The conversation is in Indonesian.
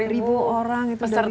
enam puluh lima ribu orang itu